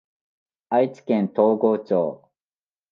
愛知県東郷町